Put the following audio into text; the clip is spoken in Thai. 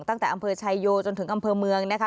ตั้งแต่อำเภอชายโยจนถึงอำเภอเมืองนะคะ